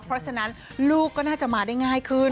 เพราะฉะนั้นลูกก็น่าจะมาได้ง่ายขึ้น